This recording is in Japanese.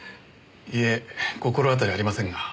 いえ心当たりありませんが。